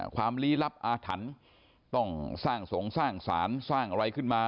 ลี้ลับอาถรรพ์ต้องสร้างสงสร้างศาลสร้างอะไรขึ้นมา